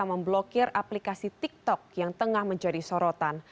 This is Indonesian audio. memblokir aplikasi tiktok yang tengah menjadi sorotan